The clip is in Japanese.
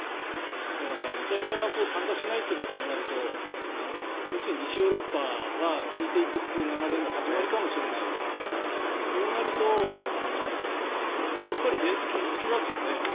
だから、イタリアが参加しないということになると要するに西ヨーロッパは引いていくという流れの始まりかもしれないですからそうなるとやっぱりメンツ、傷付きますよね。